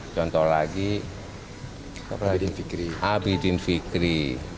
contoh lagi abidin fikri